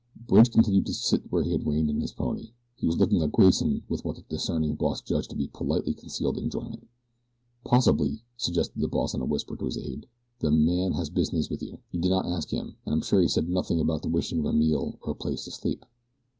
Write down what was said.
Bridge continued to sit where he had reined in his pony. He was looking at Grayson with what the discerning boss judged to be politely concealed enjoyment. "Possibly," suggested the boss in a whisper to his aide, "the man has business with you. You did not ask him, and I am sure that he said nothing about wishing a meal or a place to sleep."